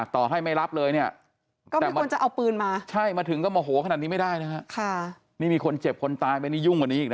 ต่อให้ไม่รับเลยเนี่ย